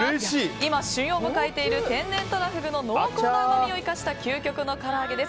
今、旬を迎えている天然トラフグの濃厚なうまみを生かした究極のから揚げです。